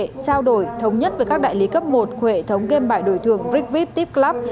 trao đổi thống nhất với các đại lý cấp một của hệ thống game bài đổi thường rigvip tipclub